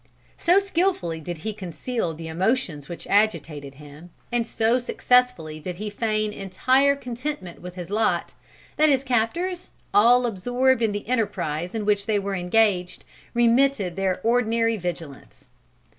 So skilfully did he conceal the emotions which agitated him, and so successfully did he feign entire contentment with his lot, that his captors, all absorbed in the enterprise in which they were engaged, remitted their ordinary vigilance.